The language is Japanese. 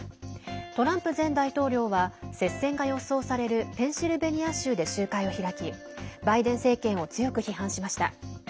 トランプ前大統領は接戦が予想されるペンシルベニア州で集会を開きバイデン政権を強く批判しました。